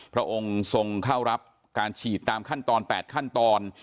พระองค์ทรงเข้ารับการฉีดตามขั้นตอน๘ขั้นตอน